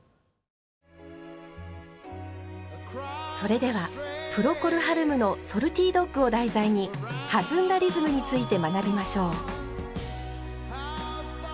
それではプロコルハルムの「ＡＳａｌｔｙＤｏｇ」を題材に弾んだリズムについて学びましょう。